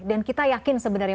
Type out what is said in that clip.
dan kita yakin sebenarnya